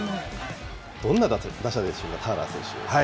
どんな打者でしょう、ターナー選手。